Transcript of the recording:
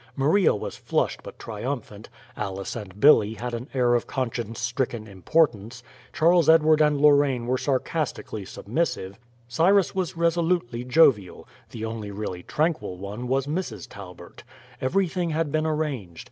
Maria was flushed, but triumphant; Alice and Billy had an air of conscience stricken importance; Charles Edward and Lorraine were sarcastically submissive; Cyrus was resolutely jovial; the only really tranquil one was Mrs. Talbert. Everything had been arranged.